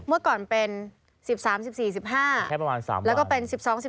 เมื่อก่อนเป็น๑๓๑๔๑๕แล้วก็เป็น๑๒๑๓๑๔๑๕